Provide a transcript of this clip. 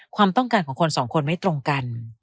ความต้องการของคนสองคนไม่ตรงกัน